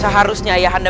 seharusnya ayah anda